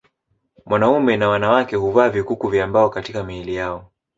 Wanaume na wanawake huvaa vikuku vya mbao katika miili yao